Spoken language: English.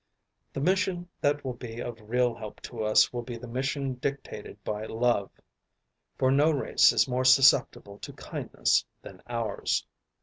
The mission that will be of real help to us will be the mission dictated by love, for no race is more susceptible to kindness than ours.